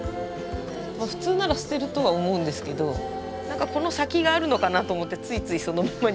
普通なら捨てるとは思うんですけど何かこの先があるのかなと思ってついついそのままにして。